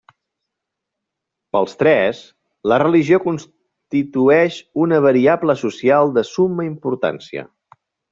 Pels tres, la religió constitueix una variable social de summa importància.